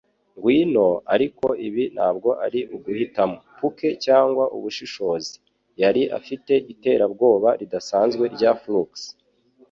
Ngwino, ariko ibi ntabwo ari uguhitamo - puke cyangwa ubushishozi?'Yari afite iterabwoba ridasanzwe rya flux